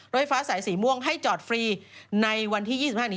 ไฟฟ้าสายสีม่วงให้จอดฟรีในวันที่๒๕นี้